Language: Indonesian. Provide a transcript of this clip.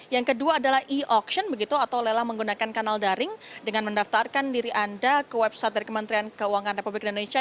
yang kedua adalah e auction begitu atau lelang menggunakan kanal daring dengan mendaftarkan diri anda ke website dari kementerian keuangan republik indonesia